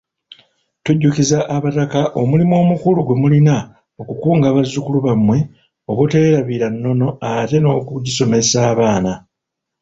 Tujjukiza Abataka omulimu omukulu gwe mulina okukunga bazzukulu bammwe obuteerabira nnono ate n'okugisomesa abaana.